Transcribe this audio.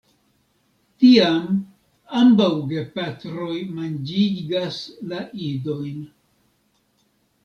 Tiam ambaŭ gepatroj manĝigas la idojn.